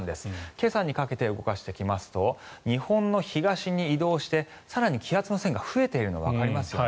今朝にかけて動かしていきますと日本の東に移動して更に気圧の線が増えているのがわかりますよね。